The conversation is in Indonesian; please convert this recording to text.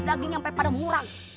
dagingnya sampe pada murang